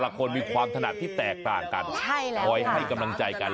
คนมีความถนัดที่แตกต่างกันคอยให้กำลังใจกัน